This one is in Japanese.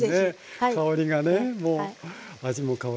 香りがねもう味も香りも。